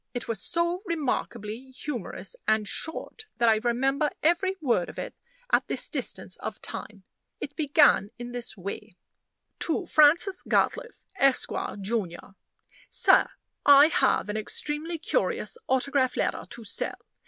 It was so remarkably humorous and short, that I remember every word of it at this distance of time. It began in this way: "To Francis Gatliffe, Esq., Jun. "SIR I have an extremely curious autograph letter to sell.